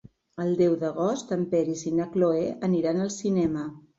El deu d'agost en Peris i na Cloè aniran al cinema.